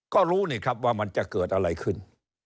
ก็รู้ว่ามันจะเกิดอะไรขึ้น